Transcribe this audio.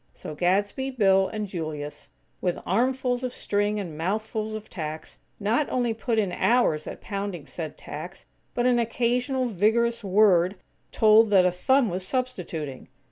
So Gadsby, Bill and Julius, with armfuls of string and mouthfuls of tacks, not only put in hours at pounding said tacks, but an occasional vigorous word told that a thumb was substituting!